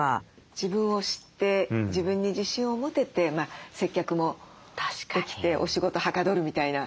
自分を知って自分に自信を持てて接客もできてお仕事はかどるみたいな。